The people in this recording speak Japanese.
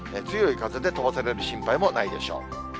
強い風で飛ばされる心配もないでしょう。